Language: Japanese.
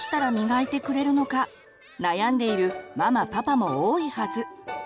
悩んでいるママパパも多いはず。